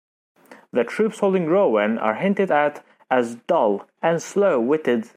The troops holding Rouen are hinted at as dull and slow-witted.